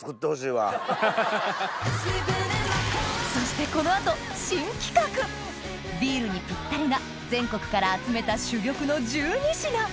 そしてこの後新企画ビールにピッタリな全国から集めた珠玉の１２品